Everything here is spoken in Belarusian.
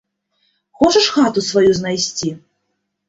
Хочаш хату сваю знайсці?